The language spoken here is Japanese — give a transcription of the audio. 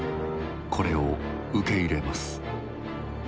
これを受け入れます。